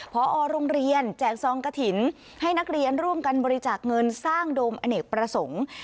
พอโรงเรียนแจกซองกระถิ่นให้นักเรียนร่วมกันบริจาคเงินสร้างโดมอเนกประสงค์